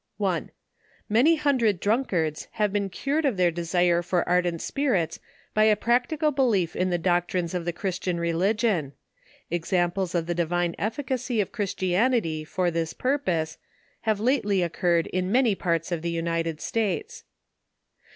1. Many hundred drunkards have been cured of their desire for ardent spirits, by a practical belief in the doc trines of the Christian religion. Examples of the divine efficacy of Christianity for this purpose, have lately oc curred in many parts of the United States.